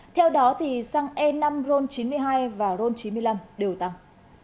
theo đó xăng e năm ron chín mươi hai và ron chín mươi năm đều tăng